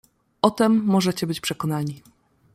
"O tem możecie być przekonani."